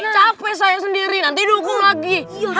capek saya sendiri nanti